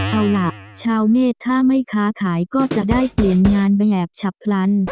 เอาล่ะชาวเมษถ้าไม่ค้าขายก็จะได้เปลี่ยนงานแบบฉับพลัน